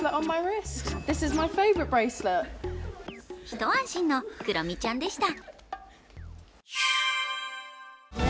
一安心のクロミちゃんでした。